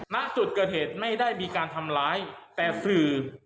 ณจุดเกิดเหตุไม่ได้มีการทำร้ายแต่สื่อ